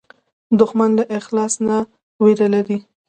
دښمن له اخلاص نه وېره لري